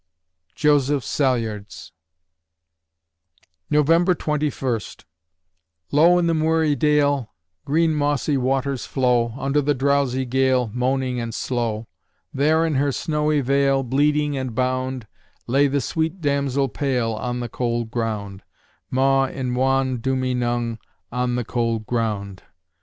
JOSEPH SALYARDS November Twenty First Low in the moory dale, Green mossy waters flow, Under the drowsy gale, Moaning and slow; There in her snowy veil, Bleeding and bound, Lay the sweet damsel pale, On the cold ground, Mau in waun du me nung, On the cold ground.